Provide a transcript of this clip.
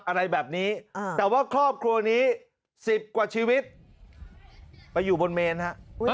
อะไรแบบนี้แต่ว่าครอบครัวนี้๑๐กว่าชีวิตไปอยู่บนเมนฮะ